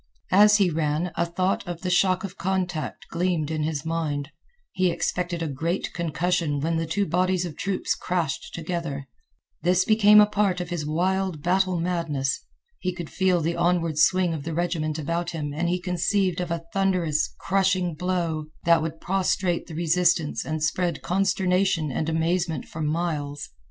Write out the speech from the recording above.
As he ran a thought of the shock of contact gleamed in his mind. He expected a great concussion when the two bodies of troops crashed together. This became a part of his wild battle madness. He could feel the onward swing of the regiment about him and he conceived of a thunderous, crushing blow that would prostrate the resistance and spread consternation and amazement for miles.